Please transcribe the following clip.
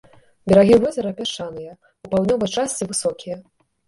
Берагі возера пясчаныя, у паўднёвай частцы высокія.